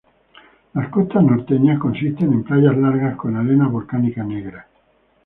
Las costas norteñas consisten en playas largas con arena volcánica negra.